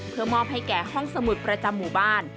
เพื่อมอบให้แก่ห้องสมุดประจำหมู่บ้าน